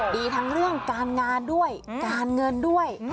ดีทั้งเรื่องการงานด้วยการเงินด้วย